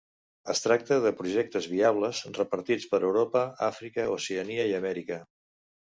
Es tracta de projectes viables repartits per Europa, Àfrica, Oceania i Amèrica.